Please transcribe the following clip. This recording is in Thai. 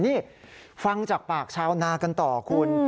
นี่ฟังจากปากชาวนากันต่อคุณ